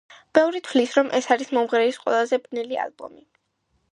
ბევრი თვლის, რომ ეს არის მომღერლის ყველაზე ბნელი ალბომი.